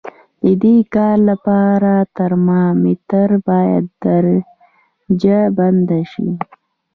د دې کار لپاره ترمامتر باید درجه بندي شي.